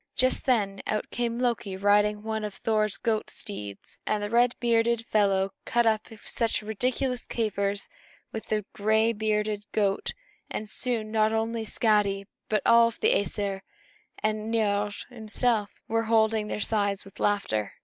Just then, out came Loki, riding on one of Thor's goat steeds; and the red bearded fellow cut up such ridiculous capers with the gray bearded goat that soon not only Skadi, but all the Æsir and Niörd himself were holding their sides with laughter.